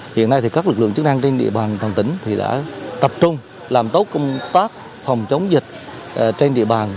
hiện nay các lực lượng chức năng trên tỉ bằng toàn tỉnh đã tập trung làm tốt công tác phòng chống dịch trên tỉ bằng